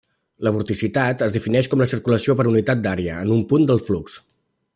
La vorticitat es defineix com la circulació per unitat d'àrea en un punt del flux.